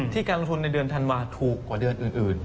การลงทุนในเดือนธันวาถูกกว่าเดือนอื่น